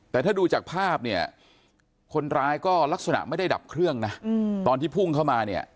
แต่ถ้าดูจากภาพเนี่ยคนร้ายก็ลักษณะไม่ได้ดับเครื่องนะตอนที่พุ่งเข้ามาเนี่ย